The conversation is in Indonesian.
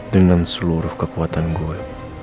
dengan seluruh kekuatan gue